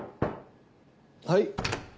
はい。